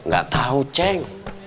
gak tau ceng